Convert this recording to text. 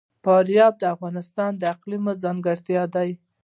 فاریاب د افغانستان د اقلیم ځانګړتیا ده.